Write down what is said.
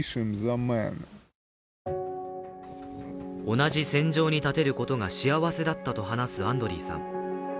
同じ戦場に立てることが幸せだったと話すアンドリーさん。